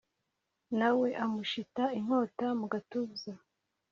nawe amushita inkota mugatuza